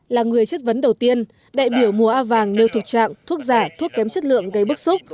là người chất vấn đầu tiên đại biểu mùa a vàng nêu thực trạng thuốc giả thuốc kém chất lượng gây bức xúc